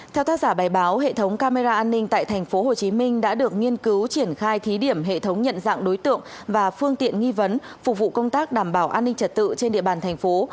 theo tác giả bài báo hệ thống camera an ninh tại tp hcm đã được nghiên cứu triển khai thí điểm hệ thống nhận dạng đối tượng và phương tiện nghi vấn phục vụ công tác đảm bảo an ninh trật tự trên địa bàn thành phố